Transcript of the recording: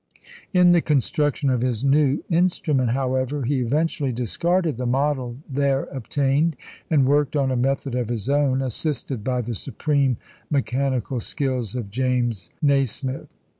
In the construction of his new instrument, however, he eventually discarded the model there obtained, and worked on a method of his own, assisted by the supreme mechanical skill of James Nasmyth.